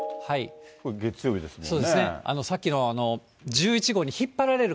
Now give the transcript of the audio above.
月曜日ですもんね。